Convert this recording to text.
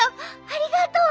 ありがとう。